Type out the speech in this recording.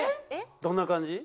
どんな感じ？